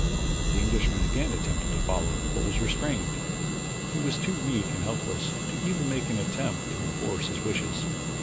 The Englishman again attempted to follow but was restrained. He was too weak and helpless even to make an attempt to enforce his wishes.